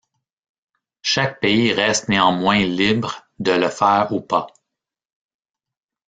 Chaque pays reste néanmoins libre de le faire ou pas.